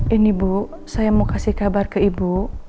ini bu saya mau kasih kabar ke ibu